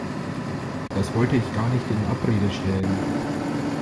Das wollte ich gar nicht in Abrede stellen.